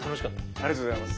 ありがとうございます。